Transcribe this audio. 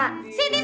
siti siapa pe